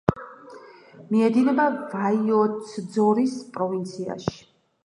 მიედინება ვაიოცძორის პროვინციაში.